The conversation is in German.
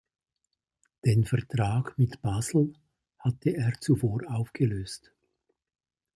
Den Vertrag mit Basel hatte er zuvor aufgelöst.